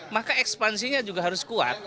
maka ekspansinya juga harus kuat